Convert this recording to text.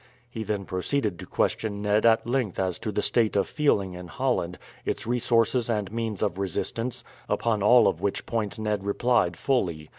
He then proceeded to question Ned at length as to the state of feeling in Holland, its resources and means of resistance, upon all of which points Ned replied fully.